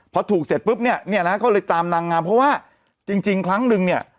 พอถูกเสร็จปุ๊บเนี่ยเนี่ยนะก็เลยตามนางงามเพราะว่าจริงครั้งนึงเนี่ย